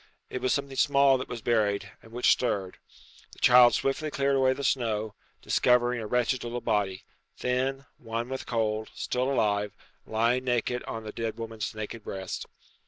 It was something small that was buried, and which stirred. The child swiftly cleared away the snow, discovering a wretched little body thin, wan with cold, still alive, lying naked on the dead woman's naked breast.